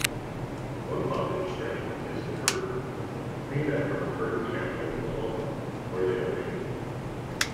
One popular strain is 'McCurtain', named after McCurtain County, Oklahoma where they are native.